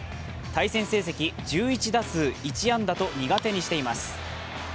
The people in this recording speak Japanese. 対戦成績１１打数１安打と苦手にしています。